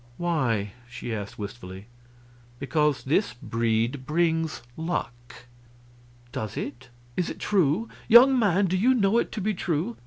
"Why?" she asked, wistfully. "Because this breed brings luck." "Does it? Is it true? Young man, do you know it to be true?